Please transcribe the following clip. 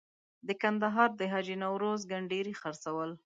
د کندهار د حاجي نوروز کنډیري خرڅول.